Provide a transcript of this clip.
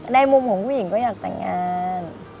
ในมุมของผู้หญิงก็อยากแต่งงาน